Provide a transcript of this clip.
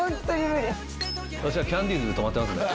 私はキャンディーズで止まってますね。